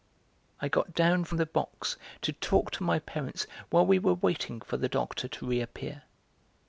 I got down from the box to talk to my parents while we were waiting for the Doctor to reappear.